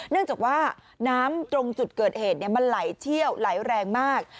เนื่องจากว่าน้ำตรงจุดเกิดเหตุมันไหลเชี่ยวไหลแรงมาก